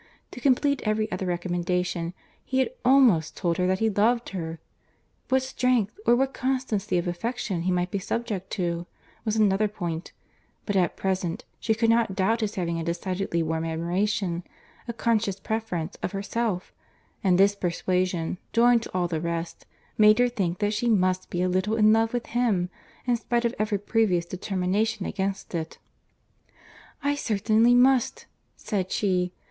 To complete every other recommendation, he had almost told her that he loved her. What strength, or what constancy of affection he might be subject to, was another point; but at present she could not doubt his having a decidedly warm admiration, a conscious preference of herself; and this persuasion, joined to all the rest, made her think that she must be a little in love with him, in spite of every previous determination against it. "I certainly must," said she.